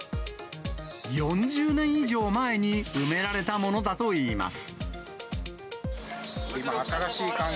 ４０年以上前に埋められたものだといいます。